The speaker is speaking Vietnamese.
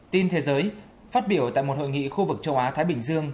tin thế giới phát biểu tại một hội nghị khu vực châu á thái bình dương